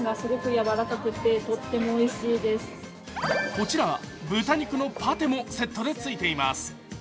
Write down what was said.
こちら、豚肉のパテもセットでついています。